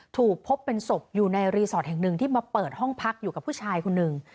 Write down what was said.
ถูกพบเป็นศพอยู่ในรีสอร์ทแห่งหนึ่งที่มาเปิดห้องพักอยู่กับผู้ชายคนหนึ่ง